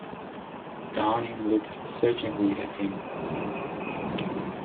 Downing looked searchingly at him.